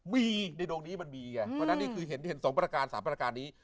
มีในโดงนี้มันมีค่ะเพราะฉะนั้นคือเห็นสองประการสามประการนี้